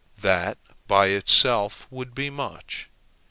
That by itself would be much.